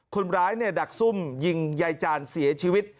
คนร้ายดักซุ่มยิงยายจานเสียชีวิต